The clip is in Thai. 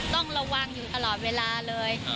ต้องระวังอยู่ตลอดเวลาเลย